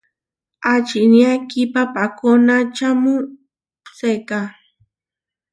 Ačinia kipapakonačamu seeká.